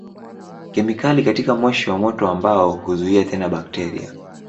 Kemikali katika moshi wa moto wa mbao huzuia tena bakteria.